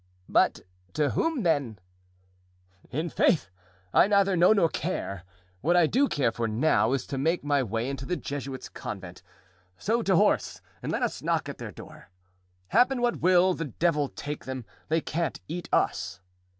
"But to whom, then?" "I'faith! I neither know nor care. What I do care for now, is to make my way into the Jesuits' convent; so to horse and let us knock at their door. Happen what will, the devil take them, they can't eat us."